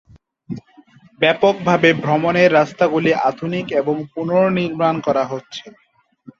ব্যাপকভাবে ভ্রমণের রাস্তাগুলি আধুনিক এবং পুনর্নির্মাণ করা হচ্ছে।